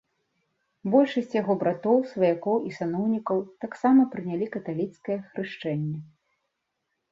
Большасць яго братоў, сваякоў і саноўнікаў таксама прынялі каталіцкае хрышчэнне.